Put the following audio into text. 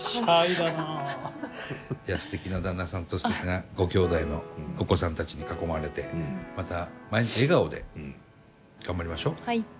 いやすてきな旦那さんとすてきなごきょうだいのお子さんたちに囲まれてまた毎日笑顔で頑張りましょう。